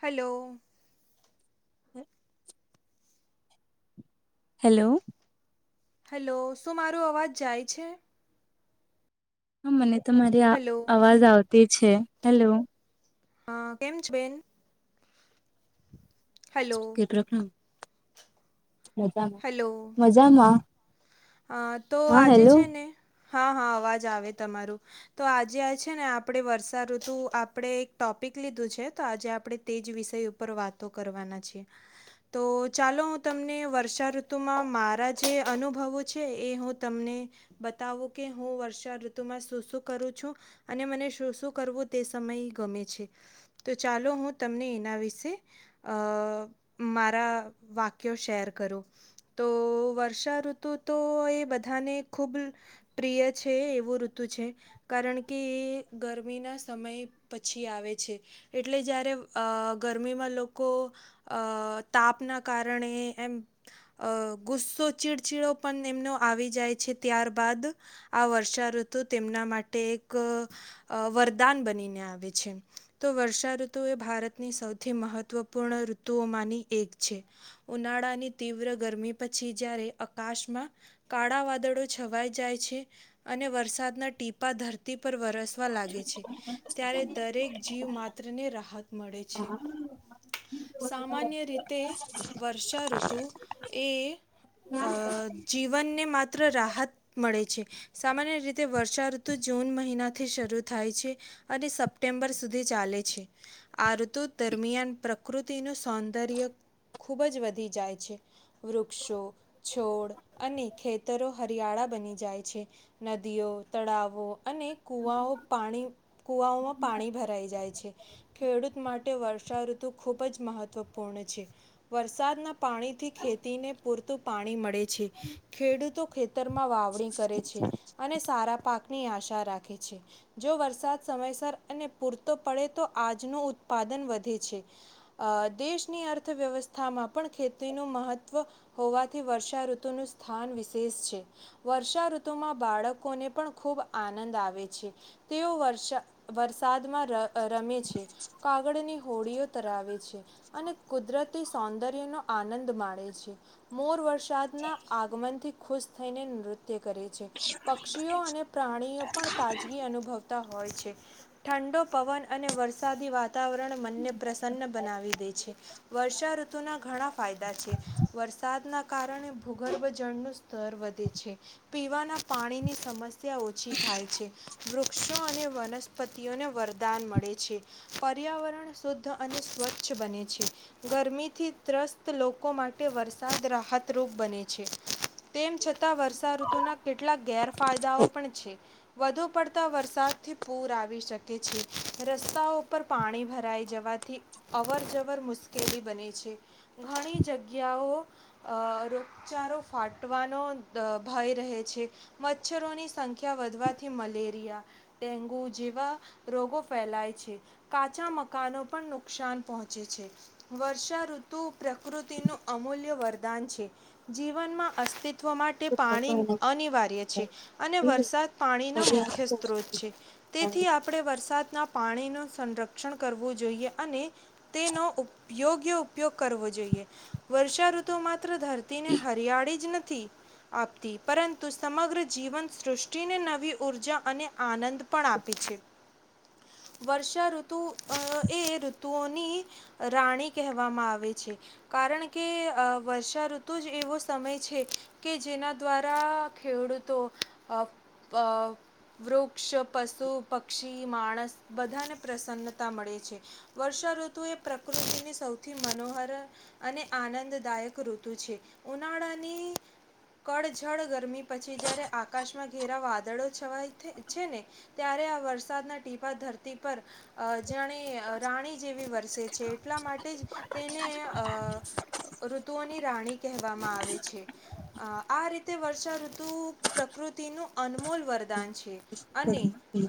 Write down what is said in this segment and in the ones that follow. Hello હ hello hello શું મારો અવાજ જાય છે. હ મને તમારી આ હલો અવાજ આવ તે છે હેલો હા કેમ છે બેન હલો કેટલાકનુ મજામાં મજામાં અ તો હા આજે હેલો છે ને હા હા અવાજ આવે તમારું તો આજે આ છે ને આપણે વર્ષાઋતુ આપણેે એક ટોપિક લીધું છે તો આજે આપણે તે જ વિષય ઉપર વાતો કરવાના છે તો ચાલો હું તમને વર્ષાઋતુમાં મારા જે અનુભવો છે એ હું તમને બતાવું કે હું વર્ષા ઋતુમાં શું શું કરું છું અને મને શું શું કરવું તે સમય ગમે છે તો ચાલો હું તમને એના વિશે અ મારા વાક્યો શેર કરું તો વર્ષાઋતુ તો એ બધાને ખૂબ પ્રિય છે એવું ઋતુ છે કારણ કે એ ગરમીના સમય પછી આવે છે એટલે જ્યારે અ ગરમીમાં લોકો અ તાપના કારણે એમ અ ગુસ્સો ચીડચીડો પન એમનો આવી જાય છે ત્યારબદ આ વર્ષાઋતુ તેમના માટે એક અ વરદાન બનીને આવે છે તો વર્ષાઋતુ એ ભારતની સૌથી મહત્વપૂર્ણ ઋતુઓમાંની એક છે ઉનાળાની તીવ્ર ગરમી પછી જયારે અકાશ માં કાળા વાદળો છવાઈ જાય છે અને વરસાદના ટીપા ધરતી પર વરસવા લાગે છે ત્યારે દરેક જીવ માત્રને રાહત મળે છે સામાન્ય રીતે વર્ષાઋતુ એ અ જીવનને માત્ર રાહત મ મળે છે સામાન્ય રીતે વર્ષાઋતુ જૂન મહિનાથી શરૂ થાય છે અને સપ્ટેમ્બર સુધી ચાલે છે આ ઋતુ દરમિયાન પ્રકૃતિનું સૌંદર્ય ખુબજ વધી જાય છે વૃક્ષો છોડ અને ખેતરો હરિયાળા બની જાય છે નદીઓ તળાવો અને કૂવાઓ પાણી કૂવાઓમાં પાણી ભરાઈ જાય છે ખેડૂત માટે વર્ષાઋતુ ખૂબ જ મહત્ત્વપૂર્ણ છે વરસાદના પાણીથી ખેતીને પૂરતું પાણી મળે છે. ખેડૂતો ખેત તરમાં વાવણી કરે છે. અને સારા પાકની આશા રાખે છે જો વરસાદ સમયસર અને પૂરતો પડે તો આજનું ઉત્પાદન વધે છે અ દેશની અર્થવ્યવસ્થામાં પણ ખેતીનું મહત્વ હોવાથી વર્ષાઋત તુનું સ્થાન વિશેષ છે વર્ષાઋતુમાં બાળકોને પણ ખૂબ આનંદ આવે છે તેઓ વર્ષા વરસાદમાં ર અ રમે છે. કાગળની હોડીઓ તરાવે છે અને કુદરતી સૌંદર્યનો આનંદ માણે છે મોર વરસાદના મનથી ખુશ થઈને નૃત ત્ય કરે છે પક્ષીઓ અને પ્રાણીઓ પણ તાજગી અનુભવતા હોય છે. ઠંડો પવન અને વરસાદી વાત વાતાવરણ મનને પ્રસન્ન બનાવી દે છે વર્ષાઋતુના ઘણા ફાયદા છે વરસાદના કારણ ભૂગર્ભ જળનું સ્તર વધે છે પીવાના પાણીની સમસ્યા ઓછી થાય છે વૃક્ષો અને વનસ્પતિઓને વરદાન મળે છે પર્યાવરણ શુદ્ધ અને સ્વચ્છ બને છે ગરમીથી ત્રસ્ત લોકો માટે વરસાદ રાહતરૂપ બને છે તેમ છતાં વર્ષાઋતુના કેટલાક ગેરફાયદાઓ પણ છે વધુ પડતા વરસાદથી પૂર આવી શકે છે. રસ્તાઓ પર પાણી ભરાઈ જવાથી અવર જવર મુશ્કેલી બને છે. ઘણી જગ્યાઓ અહ રો ચારો ફાટવાનો અહ ભય રહે છે. મચ્છરોની સં ખ્યા વધવાથી મલેરિયા ડેન્ગુ જેવા રોગો ફેલાય છે. કાચા મકાનો પણ નુકસાન પહોંચે છે. વર્ષાઋતુ પ્રકૃતિનું અમૂલ્ય વરદાન છે. જીવનમાં અસ્તિ ત્વ માટે પાણી અનિવાર્ય છે, અને વરસાદ પાણીનો મુખ્ય સ્ત્રોત છે. તેથી આપડે વરસદ ના પાણીનું સંરક્ષણ કરવું જોઈએ અને તેનો ઉપયોગ્ય ઉપયોગ કરવો જોઈએ. વર્ષાઋતુ માત્ર ધર ને હરિયાળી જ નથ તી આપતી. પરંતુ સમગ્ર જીવન સૃષ્ટિને નવી ઉર્જા અને આનંદ પણ આપી છે. વર્ષાઋતુ અ એ ઋતુઓની રાણી કહેવામાં આવે છે. કારણ કે વર્ષાઋત તું જ એવો સમય છે કે જેના દ્વારા ખેડૂતો અ અ વૃક્ષ, પશુ પક્ષી, માણસ બધાને પ્રસન્નતા મળે છે. વર્ષાઋતુ એ પ્રકૃતિની સૌથી મનોહર અને આનંદદાયક ઋત તુ છે. ઉનાળાની કળઝળ ગરમી પછી જયારે આકાશમાં ઘેરા વાદળો છવાય છે ને ત્યારે આ વરસાદના ટીફા ધરતી પર અ જાણે રાણી જેવી વરસે છે. એટલા માટે જ તેને અ ઋતુઓની રાણી કેવામાં આવે છે. અ આ તે વર્ષાઋતુ પ્રકૃતિનું અનમોલ વરદાન છે. અને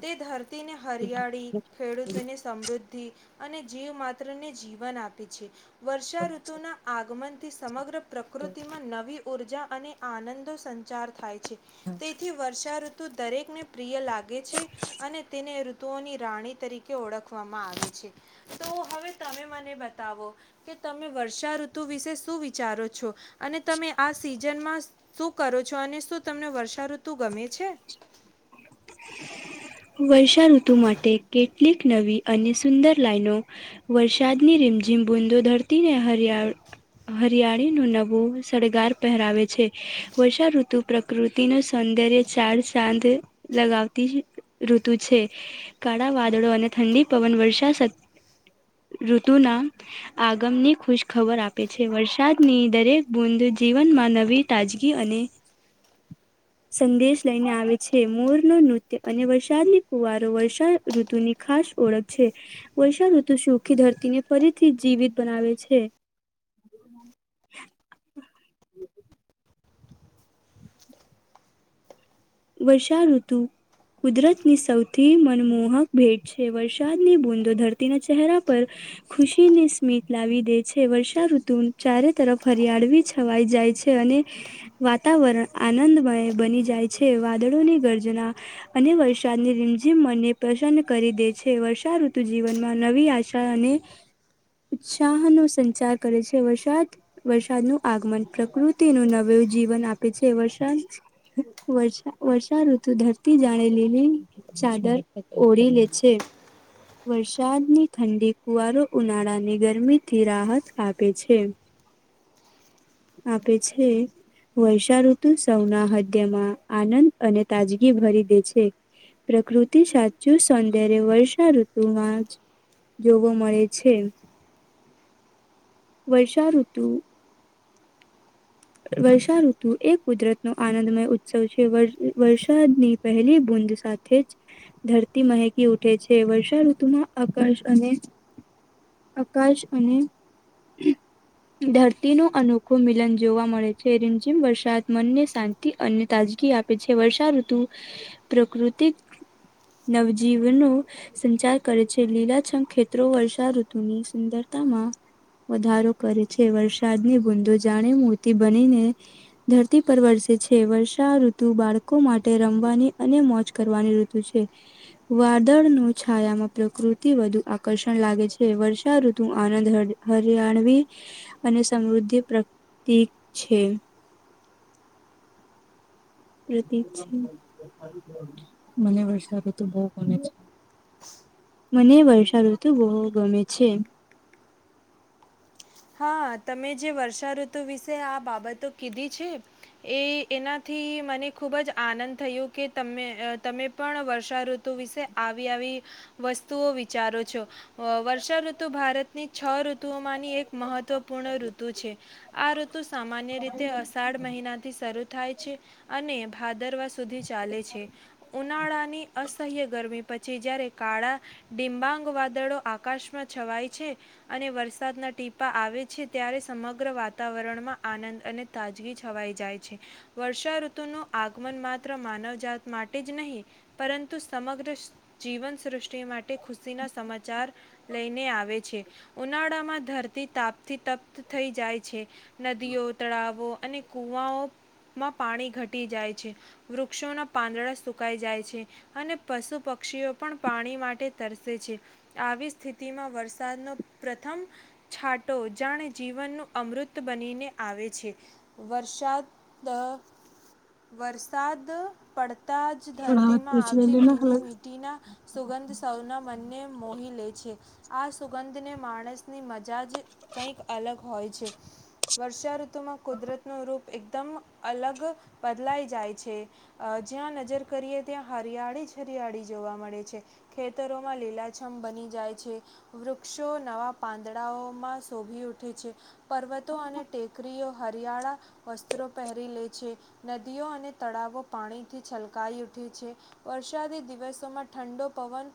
તે ધરતીને હરિયાળી, ખેડૂતોને સમૃદ્ધ ધી અને જીવ માત્ર ને જીવન આપે છે. વર્ષાઋતુના આગમન સમગ્ર પ્રકૃતિમાં નવી ઊર્જા અને આનંદો સંચાર થાય છે. તેથી વર્ષા ઋતુ દરેકને પ્રિય લાગે છે અને તેને ઋતુઓની રાણી તરીકે ઓળખવામાં આવે છે. તો હવે તમે મને બતાવો કે તમે વર્ષા ઋતુ વિશે શું વિ વિચારો છો અને તમે આ સિઝનમાં શું કરો છો અને શું તમને વર્ષાઋતુ ગમે છે? વર્ષાઋતુ માટે કેટલીક નવી અને સુંદર લાઈનો વરસાદની રીમઝીમ બુંદો ધરતીને હરિયાળ હરિયાળી ન નવો સળગાર પહેરાવે છે. વર્ષા ઋતુ પ્રકૃતિ ન સૌંદર્ય ચાર સાંદ લગાવતી ઋતુ છે. કાળા વાદળો અને ઠંડી પવન વર્ષા ઋતુના આગમની ખુશખબર આપે છે. વરસાદની દરેક બુંદ જીવનમાં નવી તાજગી અને સંદેશ લઈને આવે છે. મોર નું નૃત્ય અને દી કુવારો વર્ષા ઋતુ ની ખાસ ઓળખ છે વર્ષા ઋતુ સુખી ધરતીને ફરીથી જીવિત બનાવે છે. વર્ષાઋતુ કુદરતની સૌથી મનમોહક ભેટ છે. વરસાદની બુંદો ધરતીના ચહેરા પર ખુશીની સ્મિત લાવી દે છે. વર્ષાઋતુ ચારે તરફ હરિયાળવી છવાઈ જાય છે અને વાતાવરણ આનંદમય બની જાય છે. વાદળોની ગર્જના અને વરસાદની રીમઝીમ મનને પ્રસન્ન કરી દે છે. વર્ષા ઋતુ જીવનમાં નવી આશા અને ઉત્સાહનો સંચાર કરે છે. વરસાદ વરસાદનું આગમન પ્રકૃતિનું નવું જીવન આપે છે. વરસાદ વર્ષા ઋતુ ધરતી જાણે લીલી ચાદર ઓળી લે છે. વરસાદની ઠંડી કુવારો ઉનાળાને ગરમી થી રાહત આપે છે. આપે છે વર્ષાઋતુ સૌના હદ્યમાં આનંદ અને તાજગી ભરી દે છે. પ્રકૃતિ સાચું સૌંદર્ય વર્ષા ઋતુમાં જ જોવા મળે છે. વર્ષાઋતુ વર્ષાઋતુ એ કુદરત નો આનંદમય ઉત્સવ છે. વર્ષાની પહેલી બૂદ સાથે જ ધરતી મહેકી ઉઠે છે. વર્ષા ઋતુમાં આકાશ અને આકાશ અને ધરતી નો અનોખો મિલન જોવા મળે છે. રીમઝીમ વરસાદ મનને શાંતિ અને તાજગી આપે છે. વર્ષા ઋતુ પ્રકૃતિક નવજીવનો સંચાર કરે છે. લીલાછંગ ખેતત્રો વર્ષા ઋતુની સુંદરતામાં વધારો કરે છે. વરસાદની ભૂંધો જાણે બનીને ધરતી પર વરસે છે. વર્ષા ઋતુ બાળકો માટે રમવાની અને મોજ કરવાની ઋતુ છે. વાદળ નું છાયામાં પ્રકૃતિ વધુ આકર્ષણ લાગે છે. વર્ષા ઋતુ આનંદ હરિયાણવી અને સમૃદ્ધિ પ્રતક છે, પ્રતીક છે મને વરસાવો તો બવ ગમે છે. મને વર્ષાઋતુ બવ ગમે છે. હા, તમે જે વર્ષા ઋતુ વિશે આ બાબતો કીધી છે એ એનાથી મને ખુબ જ આનંદ થયો કે તમે તમે પણ વર્ષા ઋતુ વિશે આવી આવી વસ્તુઓ વિચારો છો. અ વર્ષા ઋતુ ભારતની છ ઋતુઓમાં મહત્ત્વપૂર્ણ ઋતુ છે. આ ઋતુ સામાન્ય રીતે અષાઢ મહિનાથી શરૂ થાય છે અને ભા ભાદરવા સુધી ચાલે છે. ઉનાળાની અસહ્ય ગરમી પછી જ્યારે કાળા ડિંબાંગ વાદળો આકાશમાં છવાય છે અને વરસાદના ટીપ પા આવે છે. ત્યારે સમગ્ર વાતાવરણમાં આનંદ અને તાજગી છવાઈ જાય છે વર્ષાઋતુ નું આગમન માત્ર માનવજાત માટે જ નહીં પરંતુ સમગ્ર જીવન સૃષ્ટ ટી માટે ખુશીના સમાચાર લઈને આવે છે. ઉનાળામાં ધરતી તાપથી તપ્ત થઈ જાય છે નદીઓ, તળાવો અને કૂવાઓ માં પાણી ઘટી જાય છે, વૃક્ષોના પાંદડા સુકાઈ જાય છે અને પશુ પક્ષીઓ પણ પાણી માટે તરસે છે. આવી સ્થિતિમાં વરસાદનો પ્રથમ છાટો જાણે જીવનનું અમૃત બનીને આવે છે. વરસાદ અ વરસાદ પડ તા જ થોડા હાથ ધરતીમાં પછ આવતી ભીની લેને મીઠીના સુગંધ સૌના મનને મોહી લે છે. આ સુગંધને માણસને મ જાજ કંઈક અલગ હોય છે. વર્ષાઋ તુ માં કુદરતનો રૂપ એકદમ અલગ બદલાઈ જાય છે. અહ જ્યાં નજર કરીએ ત્યાં હરિયાળી હરિયાળી જોવા મળે છે. ખેતરોમાં લીલાછમ બની જાય છે વૃક્ષો નવા પાન દડાઓમાં શોભી ઉઠે છે. પર્વતો અને ટેકરીઓ હરિયાળા વસ્ત્રો પહેરી લે છે. નદીઓ અને તળાવો પાણીથી છલકાઈ ઉઠે છે. વરસાદી દિવસોમાં ઠંડો પવન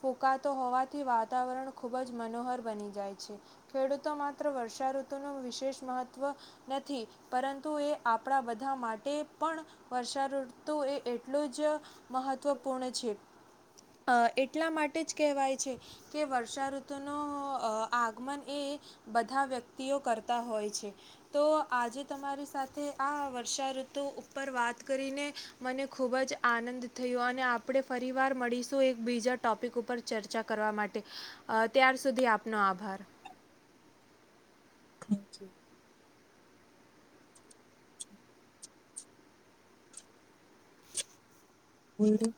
ફૂંકાતો હોવાથી વાતાવરણ ખૂબ જ મનોહર બની જાય છે. ખેડૂતો માત્ર વર્ષાઋતુનું વિશેષ મહત્વ નથી પરંતુ એ આપડા બધા માટે પણ વર્ષા ઋતુ એ એટલું જ મહત્વપૂર્ણ છે. અહ એટલા માટે જ કહેવાય છે કે વર્ષાઋતુનો અહ આગમન એ બધા વ્યક્તિઓ કરતા હોય છે. તો આજે તમારી સાથે આ વર્ષાઋતુ ઉપર વાત કરીને મને ખૂબ જ આનંદ થયો. અને આપડે ફરીવાર મળીશું એક બીજા ટૉપિક ઉપર ચર્ચા કરવા માટે. અહ ત્યાર સુધી આપનો આ ભાર. Thank you. છે. બોલો.